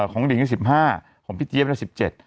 ของนิ้งคือ๑๕ของพี่เจี๊ยบคือ๑๗